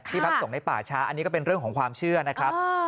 พักสงฆ์ในป่าช้าอันนี้ก็เป็นเรื่องของความเชื่อนะครับ